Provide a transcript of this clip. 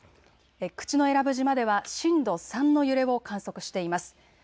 口永良部島では震度３の揺れを観測しています。